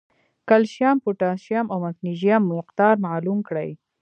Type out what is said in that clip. کېلشیم ، پوټاشیم او مېګنيشم مقدار معلوم کړي